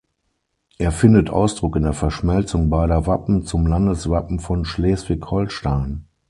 Er findet Ausdruck in der Verschmelzung beider Wappen zum Landeswappen von Schleswig-Holstein.